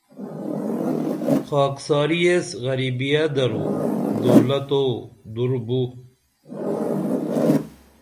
خاکساری ایس غریبیہ درو دولتو دُر بُو